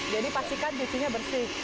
jadi pastikan nyucinya bersih